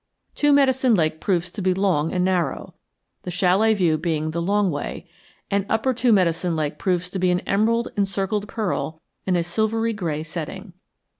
Two Medicine Lake proves to be long and narrow, the chalet view being the long way, and Upper Two Medicine Lake proves to be an emerald encircled pearl in a silvery gray setting.